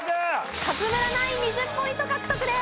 勝村ナイン２０ポイント獲得です！